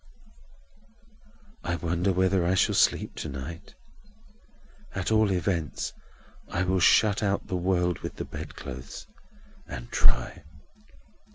"I wonder whether I shall sleep to night! At all events, I will shut out the world with the bedclothes, and try."